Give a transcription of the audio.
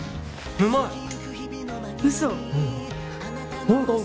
うまいよ！